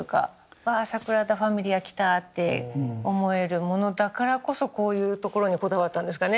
わあサグラダ・ファミリア来たって思えるものだからこそこういうところにこだわったんですかね。